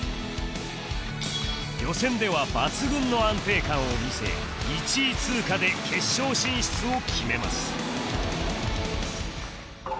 予選では抜群の安定感を見せ１位通過で決勝進出を決めます